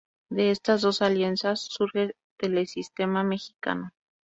De estas dos alianzas surge Telesistema Mexicano.